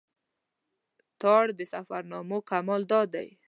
تارړ د سفرنامو کمال دا دی.